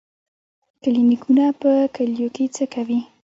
کلینیکونه په کلیو کې څه کوي؟